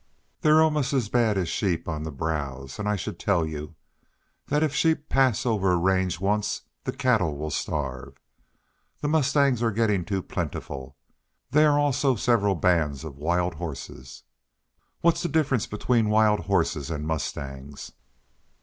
They're almost as bad as sheep on the browse; and I should tell you that if sheep pass over a range once the cattle will starve. The mustangs are getting too plentiful. There are also several bands of wild horses." "What's the difference between wild horses and mustangs?"